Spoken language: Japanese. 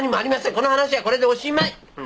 この話はこれでおしまい！